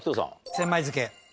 千枚漬け。